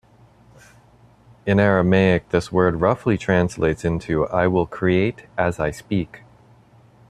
In Aramaic this word roughly translates into I will create as I speak.